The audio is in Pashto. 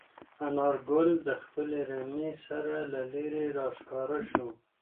انارګل د خپلې رمې سره له لیرې راښکاره شو.